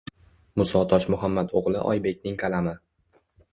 Muso Toshmuhammad o`g`li Oybekning qalami